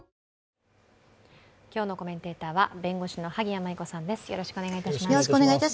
今日のコメンテーターは弁護士の萩谷麻衣子さんです。